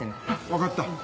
分かった。